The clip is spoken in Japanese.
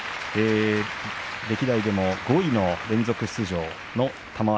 歴代でも５位の連続出場の玉鷲。